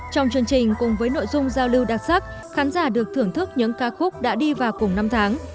trong chương trình cùng với nội dung giao lưu đặc sắc khán giả được thưởng thức những ca khúc đã đi vào cùng năm tháng